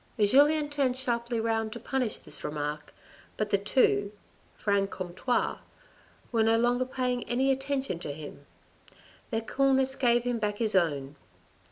Julien turned sharply round to punish this remark, but the two, Franc comtois, were no longer paying any attention to him. Their coolness gave him back his own.